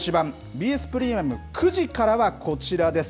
ＢＳプレミアム、９時からはこちらです。